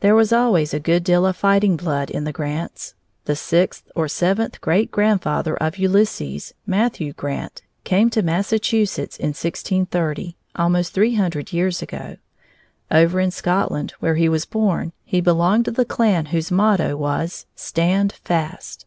There was always a good deal of fighting blood in the Grants. The sixth or seventh great grandfather of Ulysses, Matthew Grant, came to Massachusetts in 1630, almost three hundred years ago; over in Scotland, where he was born, he belonged to the clan whose motto was "Stand Fast."